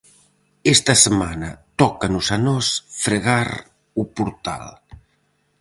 Esta semana tócanos a nós fregar o portal.